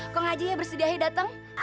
komaji he bersedia he dateng